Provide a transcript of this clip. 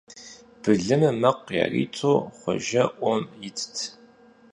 Былымым мэкъу яриту Хъуэжэ Ӏуэм итт.